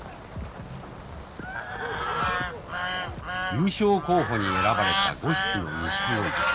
優勝候補に選ばれた５匹のニシキゴイです。